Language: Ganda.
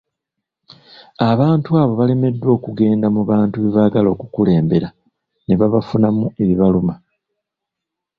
Abantu abo balemeddwa okugenda mu bantu bebaagala okukulembera ne babafunamu ebibaluma.